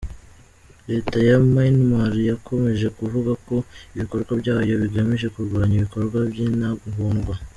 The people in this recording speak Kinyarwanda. Leta ya Myanmar yakomeje kuvuga ko ibikorwa byayo bigamije kurwanya ibikorwa by'intagondwa.